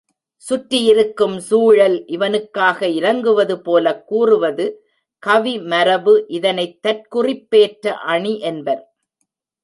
சுற்றியிருக்கும் சூழல் இவனுக்காக இரங்குவதுபோலக் கூறுவது கவிமரபு இதனைத் தற்குறிப்பேற்ற அணி என்பர்.